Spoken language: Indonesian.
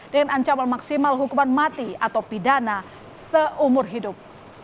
dengan ancaman maksimal hukuman mati atau pidana seumur hidup